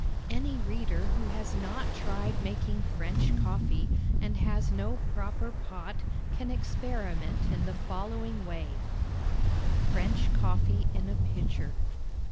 Any reader who has not tried making French coffee, and has no proper pot, can experiment in the following way: FRENCH COFFEE IN A PITCHER.